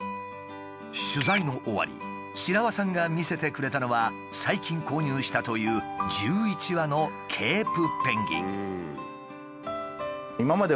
取材の終わり白輪さんが見せてくれたのは最近購入したという１１羽のケープペンギン。